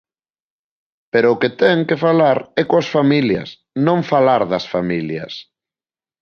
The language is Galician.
Pero o que ten que falar é coas familias, non falar das familias.